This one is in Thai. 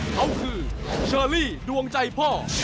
เขาคือเชอรี่ดวงใจพ่อ